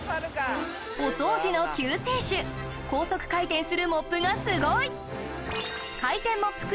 お掃除の救世主高速回転するモップがすごい！